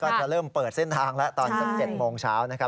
ก็จะเริ่มเปิดเส้นทางแล้วตอน๗๐๐นเช้า